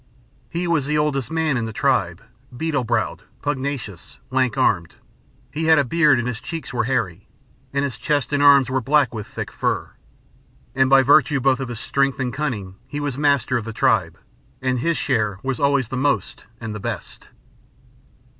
He was the oldest man in the tribe, beetle browed, prognathous, lank armed; he had a beard and his cheeks were hairy, and his chest and arms were black with thick hair. And by virtue both of his strength and cunning he was master of the tribe, and his share was always the most and the best.